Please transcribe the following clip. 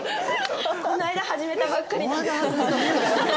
この間始めたばっかり。